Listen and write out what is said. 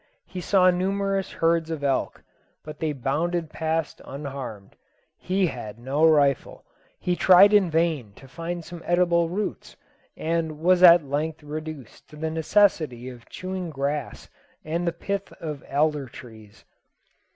He saw numerous herds of elk, but they bounded past unharmed: he had no rifle. He tried in vain to find some edible roots, and was at length reduced to the necessity of chewing grass and the pith of alder trees.